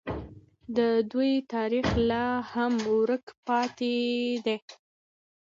د دوی تاریخ لا هم ورک پاتې دی.